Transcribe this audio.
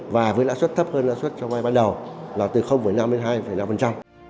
và với lãi suất thấp hơn lãi suất cho vay ban đầu là từ năm đến hai năm